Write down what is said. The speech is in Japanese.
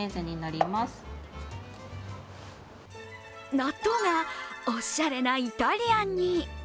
納豆がおしゃれなイタリアンに。